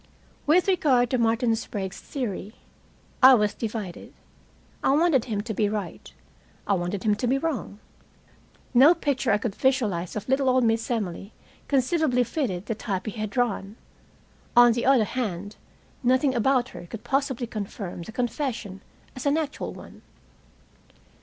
With regard to Martin Sprague's theory, I was divided. I wanted him to be right. I wanted him to be wrong. No picture I could visualize of little old Miss Emily conceivably fitted the type he had drawn. On the other hand, nothing about her could possibly confirm the confession as an actual one.